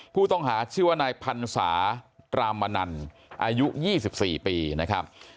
ผู้ต้องหาชื่อว่านายพันศาตรามนันอายุ๒๔ปีนะครับ